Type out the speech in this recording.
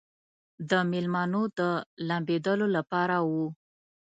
د مېلمنو د لامبېدلو لپاره و.